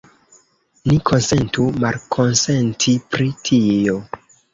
Ni konsentu malkonsenti pri tio.